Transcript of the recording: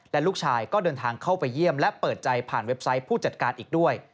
และลูกชายก็เดินทางเข้าไปเยี่ยมและเปิดใจผ่านเว็บไซต์ผู้จัดการอีกด้วย